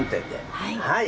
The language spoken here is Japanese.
はい。